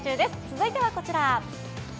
続いてはこちら。